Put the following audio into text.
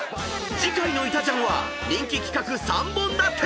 ［次回の『いたジャン』は人気企画３本立て！］